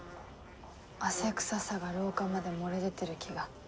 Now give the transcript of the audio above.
汗臭さが廊下まで漏れ出てる気が。